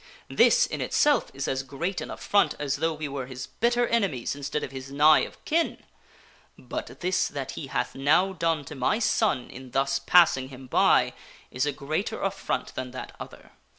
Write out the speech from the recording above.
This in itself is as great an affront as though we were his bitter enemies instead of his nigh of kin. But this that he hath now done to my son in thus passing him by is a greater affront than that other."